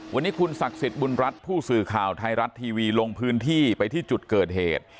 วันนี้คุณศักดิ์สิทธิ์บุญรัฐผู้สื่อข่าวไทยรัฐทีวีลงพื้นที่ไปที่จุดเกิดเหตุ